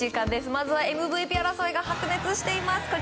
まずは、ＭＶＰ争いが白熱しています。